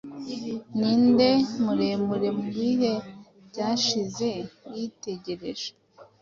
Ninde muremure mubihe byashize yitegereje